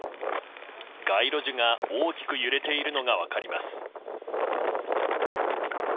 街路樹が大きく揺れているのが分かります。